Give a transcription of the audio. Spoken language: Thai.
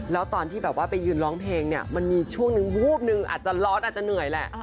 แล้วตอนที่แบบว่าไปยืนร้องเพลงเนี่ยมันมีช่วงนึงวูบนึงอาจจะร้อนอาจจะเหนื่อยแหละ